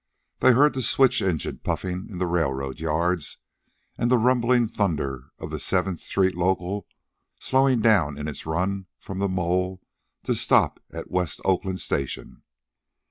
They heard the switch engines puffing in the railroad yards, and the rumbling thunder of the Seventh Street local slowing down in its run from the Mole to stop at West Oakland station.